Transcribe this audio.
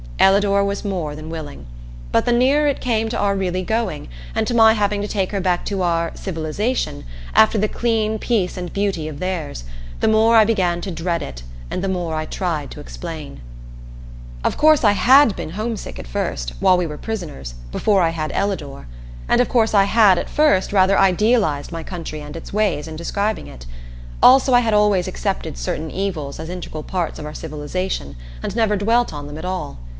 Ellador was more than willing. But the nearer it came to our really going, and to my having to take her back to our "civilization," after the clean peace and beauty of theirs, the more I began to dread it, and the more I tried to explain. Of course I had been homesick at first, while we were prisoners, before I had Ellador. And of course I had, at first, rather idealized my country and its ways, in describing it. Also, I had always accepted certain evils as integral parts of our civilization and never dwelt on them at all.